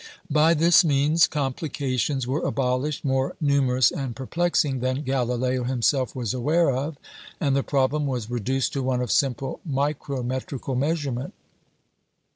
By this means complications were abolished more numerous and perplexing than Galileo himself was aware of, and the problem was reduced to one of simple micrometrical measurement.